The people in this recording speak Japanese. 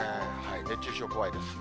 熱中症怖いです。